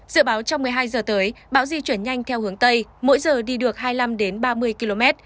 dự báo trong một mươi hai giờ tới bão di chuyển nhanh theo hướng tây mỗi giờ đi được hai mươi năm ba mươi km